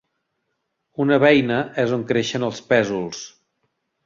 Una beina és on creixen els pèsols.